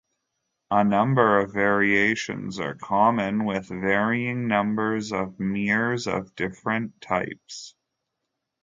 A number of variations are common, with varying numbers of mirrors of different types.